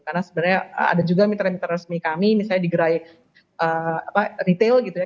karena sebenarnya ada juga mitra mitra resmi kami misalnya digerai retail gitu ya